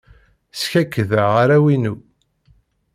Skakkḍeɣ arraw-inu.